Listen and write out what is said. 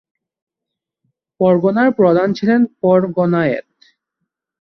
পরগনার প্রধান ছিলেন পরগনায়েৎ।